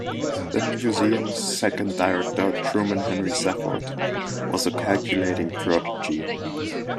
The museum's second director, Truman Henry Safford, was a calculating prodigy.